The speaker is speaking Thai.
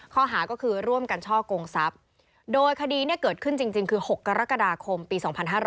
ข้อหาก็คือร่วมกันช่อกงทรัพย์โดยคดีเนี่ยเกิดขึ้นจริงคือ๖กรกฎาคมปี๒๕๕๙